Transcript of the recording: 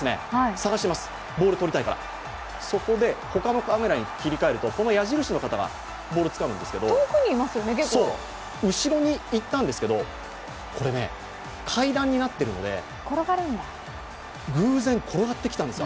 探します、そこで他のカメラに切り替えるとこの矢印の方がボールをつかむんですけど、後ろにいったんですけど階段になっているので偶然、足元に転がってきたんですよ。